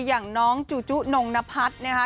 อย่างน้องจูจุนงนพัฒน์นะคะ